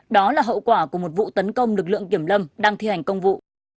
đó là hậu quả của một vụ tấn công lực lượng kiểm lâm đang thi hành công vụ